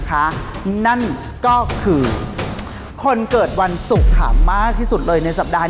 นั่นก็คือคนเกิดวันศุกร์ค่ะมากที่สุดเลยในสัปดาห์